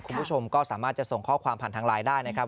คุณผู้ชมก็สามารถจะส่งข้อความผ่านทางไลน์ได้นะครับ